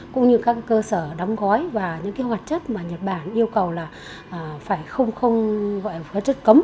cũng như các cơ sở đóng gói và những hoạt chất mà nhật bản yêu cầu là phải không gọi hóa chất cấm